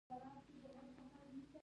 خو تر ټولو زیات د خپلو ناکامیو خوښ یم.